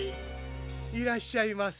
・いらっしゃいませ。